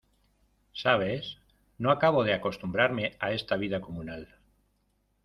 ¿ sabes? no acabo de acostumbrarme a esta vida comunal.